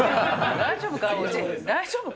大丈夫か？